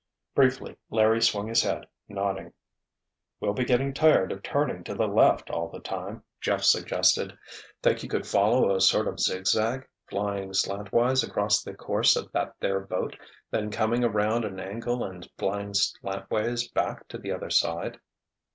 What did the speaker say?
Briefly Larry swung his head, nodding. "We'll be getting tired of turning to the left all the time," Jeff suggested. "Think you could follow a sort of zig zag, flying slantwise across the course of that there boat, then coming around an angle and flying slantways back to the other side?"